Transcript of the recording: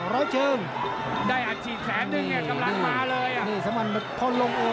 ร้อยเชิงได้อัดฉีด๑แสนกำลังมาเลย